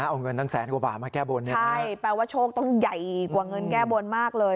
เอาเงินตั้งแสนกว่าบาทมาแก้บนเนี่ยใช่แปลว่าโชคต้องใหญ่กว่าเงินแก้บนมากเลย